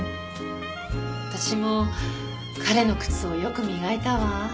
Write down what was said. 私も彼の靴をよく磨いたわ。